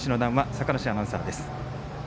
坂梨アナウンサーです。